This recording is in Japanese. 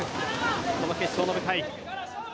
この決勝の舞台。